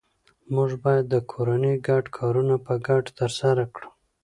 موږ باید د کورنۍ ګډ کارونه په ګډه ترسره کړو